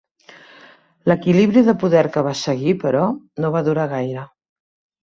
L'equilibri de poder que va seguir però, no va durar gaire.